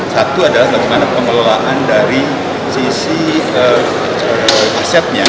satu adalah bagaimana pengelolaan dari sisi asetnya